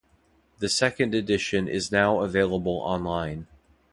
The second edition is now available online.